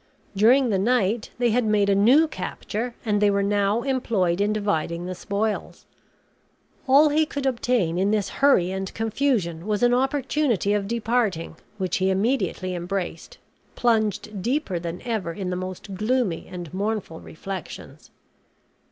During the night they had made a new capture, and they were now employed in dividing the spoils. All he could obtain in this hurry and confusion was an opportunity of departing, which he immediately embraced, plunged deeper than ever in the most gloomy and mournful reflections.